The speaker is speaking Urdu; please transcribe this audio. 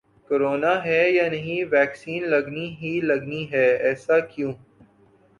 کورونا ہے یا نہیں ویکسین لگنی ہی لگنی ہے، ایسا کیوں